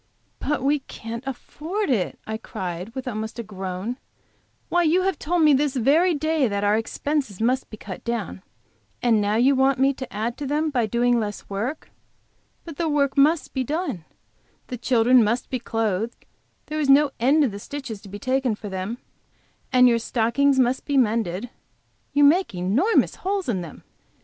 "But we can't afford it," I cried, with almost a groan. "Why, you have told me this very day that our expenses must be cut down, and now you want me to add to them by doing less work. But the work must be done. The children must be clothed, there is no end to the stitches to be taken for them, and your stockings must be mended you make enormous holes in them!